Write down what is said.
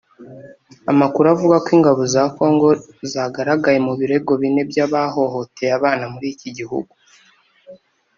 Amakuru avuga ko ingabo za Congo zagaragaye mu birego bine by’abahohoteye abana muri iki gihugu